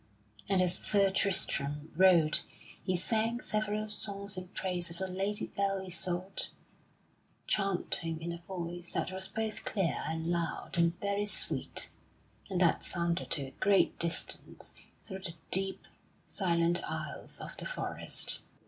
And as Sir Tristram rode he sang several songs in praise of the Lady Belle Isoult, chanting in a voice that was both clear and loud and very sweet, and that sounded to a great distance through the deep, silent aisles of the forest.